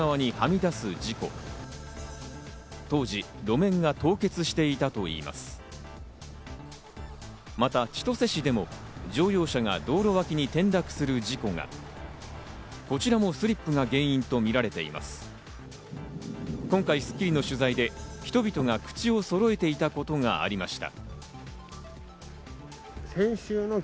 今回『スッキリ』の取材で人々が口をそろえていたことがありました。